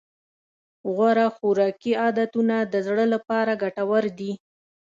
غوره خوراکي عادتونه د زړه لپاره ګټور دي.